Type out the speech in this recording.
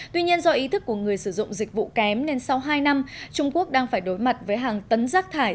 tuy nhiên do ý thức của người sử dụng dịch vụ kém nên sau hai năm trung quốc đang phải đối mặt với hàng tấn rác thải